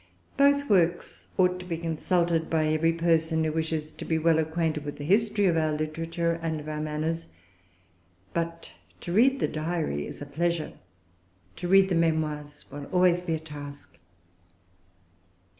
Both works ought to be consulted by every person who wishes to be well acquainted with the history of our literature and our manners. But to read the Diary is a pleasure; to read the Memoirs will always be a task.